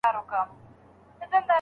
چي پرون مي وه لیدلې آشیانه هغسي نه ده